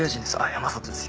山里です